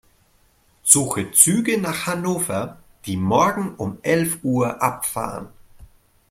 Suche Züge nach Hannover, die morgen um elf Uhr abfahren.